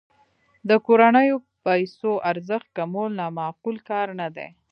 د کورنیو پیسو ارزښت کمول نا معقول کار نه دی.